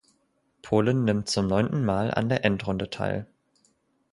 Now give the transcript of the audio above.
Polen nimmt zum neunten Mal an der Endrunde teil.